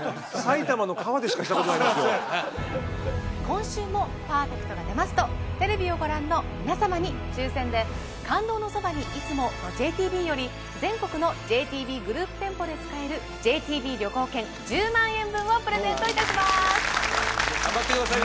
今週もパーフェクトが出ますとテレビをご覧の皆様に抽選で「感動のそばに、いつも。」のＪＴＢより全国のＪＴＢグループ店舗で使えるＪＴＢ旅行券１０万円分をプレゼントいたします頑張ってください